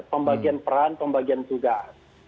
pembagian peran pembagian tugas